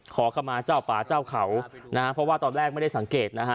ขอเข้ามาเจ้าป่าเจ้าเขานะฮะเพราะว่าตอนแรกไม่ได้สังเกตนะฮะ